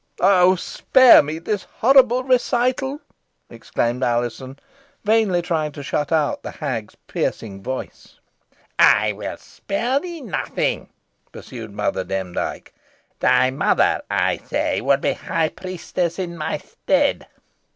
"Oh! spare me this horrible recital!" exclaimed Alizon, vainly trying to shut out the hag's piercing voice. "I will spare thee nothing," pursued Mother Demdike. "Thy mother, I say, would be high priestess in my stead.